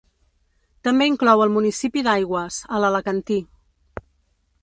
També inclou el municipi d'Aigües, a l'Alacantí.